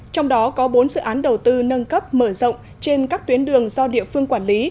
trong đó có bốn dự án đầu tư nâng cấp mở rộng trên các tuyến đường do địa phương quản lý